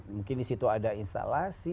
mungkin di situ ada instalasi